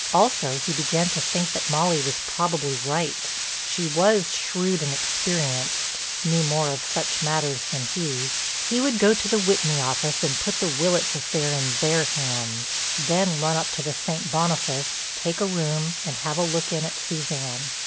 Also he began to think that Molly was probably right; she was shrewd and experienced, knew more of such matters than he. He would go to the Whitney office and put the Willitts' affair in their hands, then run up to the St. Boniface, take a room, and have a look in at Suzanne.